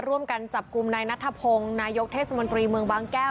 ร่วมกันจับกลุ่มนายนัทธพงศ์นายกเทศมนตรีเมืองบางแก้ว